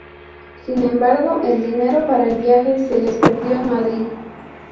Sin embargo, el dinero para el viaje se les perdió en Madrid.